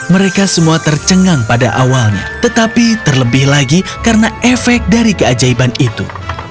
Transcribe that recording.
mereka semua tercengang pada awalnya tetapi terlebih lagi karena efek dari keajaiban itu